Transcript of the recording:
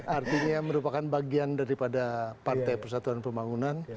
artinya merupakan bagian daripada partai persatuan pembangunan